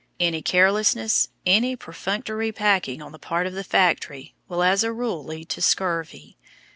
Any carelessness, any perfunctory packing on the part of the factory, will as a rule lead to scurvy.